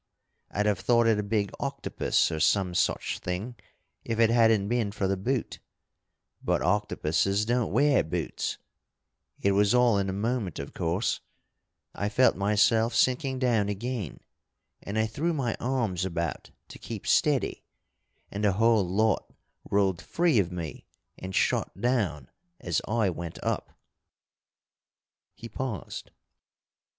I'd have thought it a big octopus, or some such thing, if it hadn't been for the boot. But octopuses don't wear boots. It was all in a moment, of course. I felt myself sinking down again, and I threw my arms about to keep steady, and the whole lot rolled free of me and shot down as I went up " He paused.